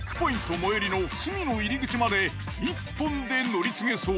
最寄りの住野入口まで１本で乗り継げそう。